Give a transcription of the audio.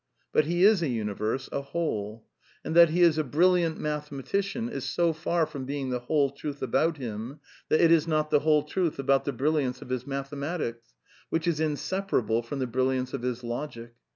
But he is a universe, a whole. And that he is a brilliant mathematician is so far from being the whole truth about him that it is not the whole truth about the brilliance of his mathematics, which is in separable from the brilliance of his logic.